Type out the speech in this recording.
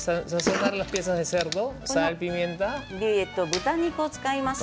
豚肉を使います。